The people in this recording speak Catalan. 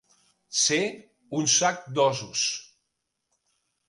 Ser un sac d'ossos.